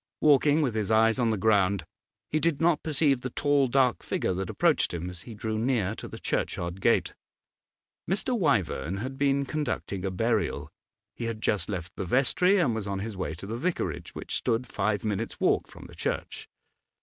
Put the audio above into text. Walking with his eyes on the ground he did not perceive the tall, dark figure that approached him as he drew near to the churchyard gate. Mr. Wyvern had been conducting a burial; he had just left the vestry and was on his way to the vicarage, which stood five minutes' walk from the church.